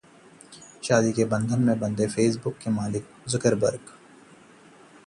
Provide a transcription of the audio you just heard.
शादी के बंधन में बंधे फेसबुक के मालिक जुकरबर्ग